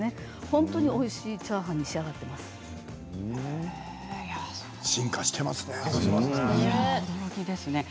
本当においしいチャーハンに進化していますね。